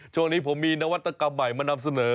ช่วงนี้ผมมีนวัตกรรมใหม่มานำเสนอ